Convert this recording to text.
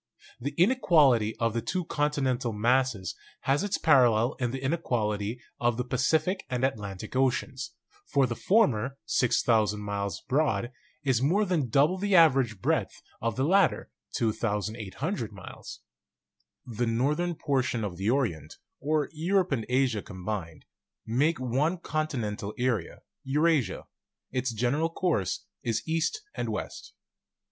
The inequality of the two continental masses has its paral lel in the inequality of the Pacific and Atlantic oceans; for the former (6,000 miles broad) is more than double the average breadth of the latter (2,800 miles). The northern portion of the Orient, or Europe and Asia com bined, makes one continental area, Eurasia; its general course is east and west.